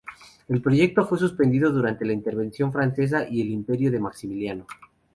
El proyecto fue suspendido durante la intervención francesa y el imperio de Maximiliano.